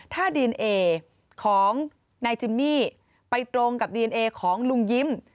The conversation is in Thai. ถ้าดีเอนเอของนายจิมมี่ไปตรงกับดีเอนเอของลุงยิ้ม